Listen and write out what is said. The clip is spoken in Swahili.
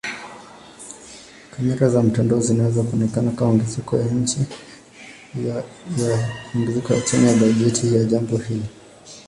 Kamera za mtandao zinaweza kuonekana kama ongezeko ya chini ya bajeti ya jambo hili.